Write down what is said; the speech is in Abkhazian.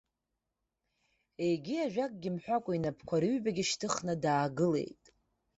Егьи ажәакгьы мҳәакәа инапқәа рыҩбагьы шьҭыхны даагылеит.